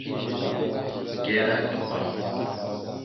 Ike ira agaba.